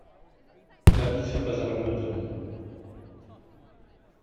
La vie se passe dans la monotonie.